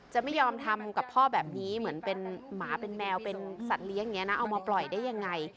จะไม่ยอมทำกับพ่อแบบนี้เหมือนเป็นหมาเป็นแมวเป็นสัตว์เลี้ยงอย่างนี้นะเอามาปล่อยได้ยังไง